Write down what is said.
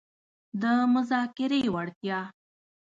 -د مذاکرې وړتیا